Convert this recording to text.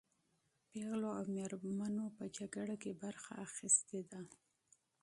پېغلو او مېرمنو په جګړه کې برخه اخیستې ده.